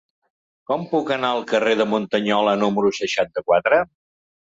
Com puc anar al carrer de Muntanyola número seixanta-quatre?